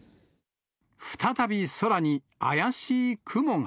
再び空に怪しい雲が。